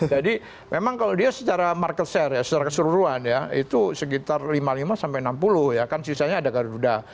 jadi memang kalau dia secara market share ya secara keseluruhan ya itu sekitar lima puluh lima sampai enam puluh ya kan sisanya ada garuda